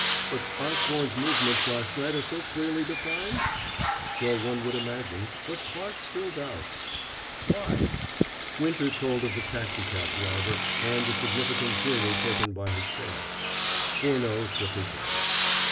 "But Osborne's movements last night are so clearly defined?" "So one would imagine, but Clarke still doubts." "Why?" Winter told of the taxicab driver, and the significant journey taken by his fare. Furneaux shook his head.